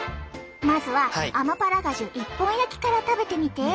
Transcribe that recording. まずはアマパラガジュ１本焼きから食べてみて。